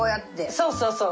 そうそうそう。